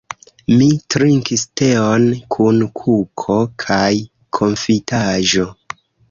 Mi trinkis teon kun kuko kaj konfitaĵo.